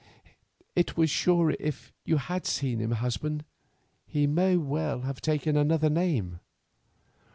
"It were surer if you had seen him, husband. He may well have taken another name."